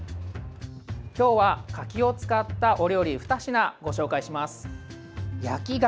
今日は柿を使ったお料理２品ご紹介します。